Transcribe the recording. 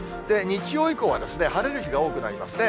日曜以降は、晴れる日が多くなりますね。